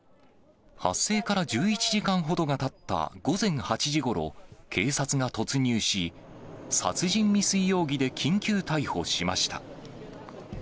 発生から１１時間ほどがたった午前８時ごろ、警察が突入し、殺人未遂容疑で緊急逮捕しました。